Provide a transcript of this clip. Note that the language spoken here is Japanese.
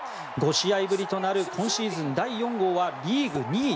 ５試合ぶりとなる今シーズン第４号はリーグ２位